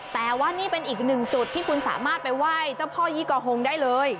แต่ว่านี่เป็นอีกหนึ่งจุดที่คุณสามารถไปไหว้เจ้าพ่อยี่กอฮงได้เลย